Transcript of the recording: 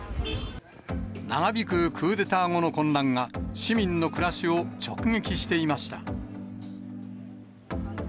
長引くクーデター後の混乱が、市民の暮らしを直撃していました。